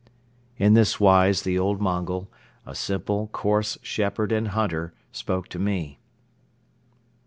In this wise the old Mongol, a simple, coarse shepherd and hunter, spoke to me.